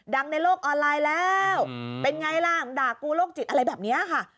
ในโลกออนไลน์แล้วเป็นไงล่ะมึงด่ากูโรคจิตอะไรแบบนี้ค่ะ